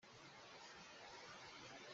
Na kuak khu nih a ka huih.